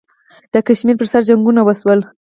د کشمیر پر سر جنګونه وشول.